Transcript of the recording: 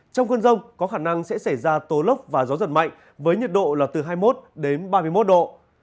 trong cơn rông có khả năng sẽ xảy ra tố lốc và gió giật mạnh với nhiệt độ là từ hai mươi một đến ba mươi một độ